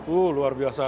uh luar biasa